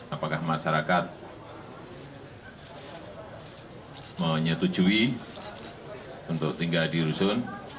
apakah masyarakat menyetujui untuk tinggal di rusun